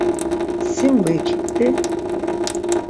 Si mu ikip̌t̆i?